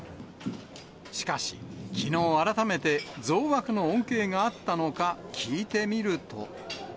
しかし、きのう改めて、増枠の恩恵があったのか聞いてみると。